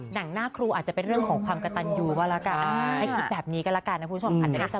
หนังหน้าครูอาจจะเป็นเรื่องของความกระตันอยู่ก็แล้วกัน